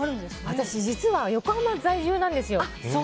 私、実は横浜在住なんですよ。